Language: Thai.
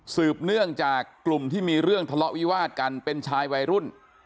สืบเนื่องจากกลุ่มที่มีเรื่องทะเลาะวิวาดกันเป็นชายวัยรุ่น